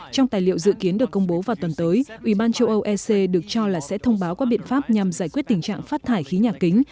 trong tài liệu dự kiến được công bố vào tuần tới ủy ban châu âu ec được cho là sẽ thông báo qua biện pháp nhằm giải quyết tình trạng phát thải khí nhà kính